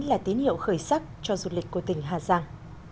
là tín hiệu khởi sắc cho du lịch của tỉnh hà giang